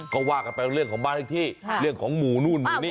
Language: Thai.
ก็ว่ากันไปเรื่องของบ้านเลขที่เรื่องของหมู่นู่นหมู่นี่